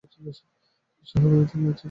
কিছুই হবে না, তুমি আছো না, আমাকে বাঁচানোর জন্য।